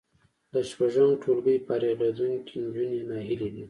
له شپږم ټولګي فارغېدونکې نجونې ناهیلې دي